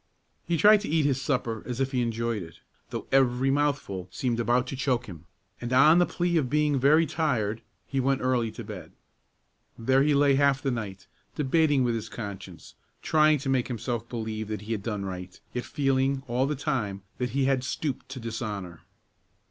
He tried to eat his supper as if he enjoyed it, though every mouthful seemed about to choke him, and on the plea of being very tired, he went early to bed. There he lay half the night debating with his conscience, trying to make himself believe that he had done right, yet feeling all the time that he had stooped to dishonor.